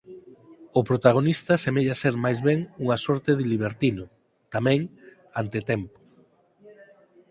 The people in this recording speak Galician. O protagonista semella ser máis ben unha sorte de libertino −tamén antetempo.